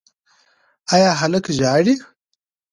ایا هلک ژاړي؟